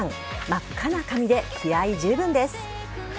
真っ赤な髪で気合い十分です。